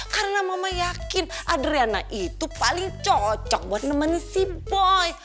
karena mama yakin adriana itu paling cocok buat nemenin si boy